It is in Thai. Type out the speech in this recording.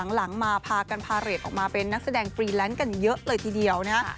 หลังมาพากันพาเรทออกมาเป็นนักแสดงฟรีแลนซ์กันเยอะเลยทีเดียวนะฮะ